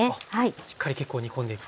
しっかり結構煮込んでいくと。